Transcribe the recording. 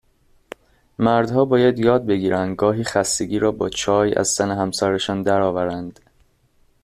مرد ها باید یاد بگیرند گاهی خستگی را با چای از تن همسرشان درآورند